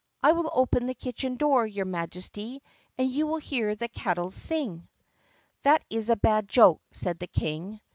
"I will open the kitchen door, your Majesty, and you will hear the kettles sing." "That is a bad joke," said the King.